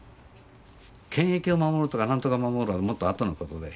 権益を守るとか何とかを守るはもっとあとのことで。